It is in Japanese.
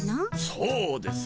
そうです。